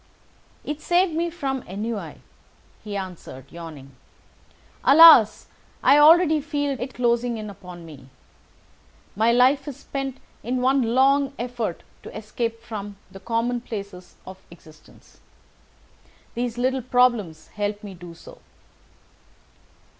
"It saved me from ennui," he answered, yawning. "Alas! I already feel it closing in upon me. My life is spent in one long effort to escape from the commonplaces of existence. These little problems help me to do so."